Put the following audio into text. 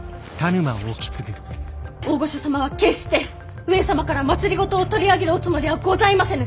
大御所様は決して上様から政を取り上げるおつもりはございませぬ。